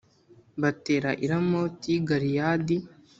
batera i Ramoti y’i Galeyadi